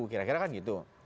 kira kira kan gitu